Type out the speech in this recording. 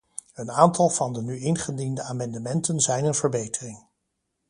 Een aantal van de nu ingediende amendementen zijn een verbetering.